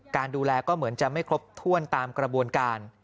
การดูแลก็ไม่หรือจะครบถ้วนตามกระบวนกาล